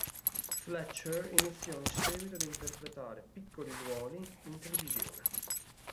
Fletcher iniziò in seguito ad interpretare piccoli ruoli in televisione.